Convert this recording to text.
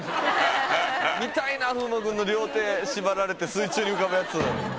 見たいな風磨君の両手縛られて水中に浮かぶやつ。